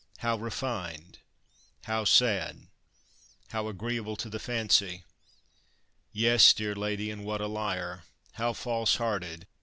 how refined! how sad! how agreeable to the fancy! Yes, dear lady, and what a liar! how false hearted!